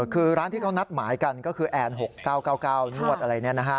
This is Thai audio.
คือร้านที่เขานัดหมายกันก็คือแอน๖๙๙๙นวดอะไร